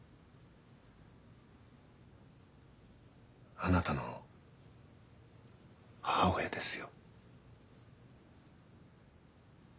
あなたの母親ですよ。